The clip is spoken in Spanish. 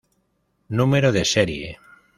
Número de serie.